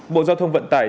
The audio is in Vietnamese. bộ giao thông vận tải